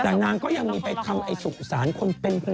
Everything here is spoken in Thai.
แต่นางก็ยังมีไปทำไอ้สุสานคนเป็น